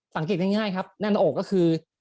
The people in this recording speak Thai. สังเกตง่ายครับแน่นหน้าอกก็คือ